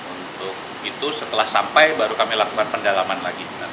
untuk itu setelah sampai baru kami lakukan pendalaman lagi